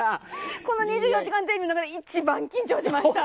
この２４時間テレビの中で、一番緊張しました。